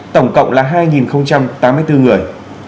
tổng cộng là hai tám mươi bốn người